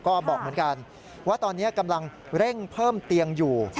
ก็บอกเหมือนกันว่าตอนนี้กำลังเร่งเพิ่มเตียงอยู่